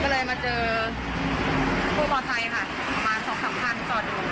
รอดที่๓เข้ามามีระเบิดดังอีกรอบหนึ่ง